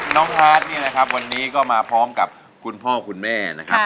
พาร์ทเนี่ยนะครับวันนี้ก็มาพร้อมกับคุณพ่อคุณแม่นะครับ